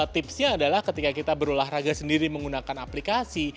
tipsnya adalah ketika kita berolahraga sendiri menggunakan aplikasi